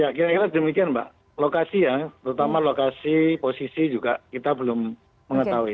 ya kira kira demikian mbak lokasi ya terutama lokasi posisi juga kita belum mengetahui